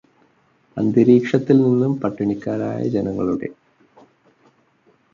അന്തരീക്ഷത്തിൽ നിന്നും പട്ടിണിക്കാരായ ജനങ്ങളുടെ